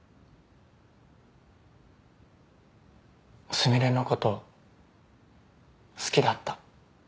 純恋のこと好きだった。